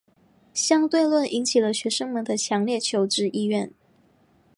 相对论引起了学生们的强烈求知意愿。